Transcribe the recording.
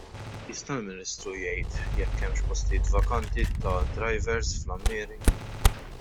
Jista' l-Ministru jgħid jekk hemmx postijiet vakanti ta' drivers fl-Għammieri?